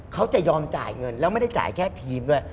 เขาจะยอมจ่ายเงินแล้วไม่ได้จ่ายแค่ทีมด้วย